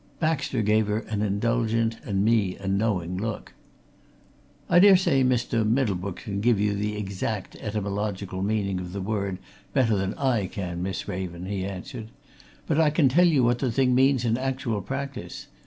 Baxter gave her an indulgent and me a knowing look. "I daresay Mr. Middlebrook can give you the exact etymological meaning of the word better than I can, Miss Raven," he answered. "But I can tell you what the thing means in actual practice!